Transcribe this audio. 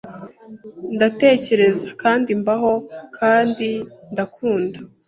Ndatekereza kandi mbaho kandi ndankunda